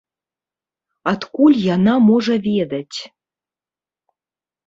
Адкуль яна можа ведаць?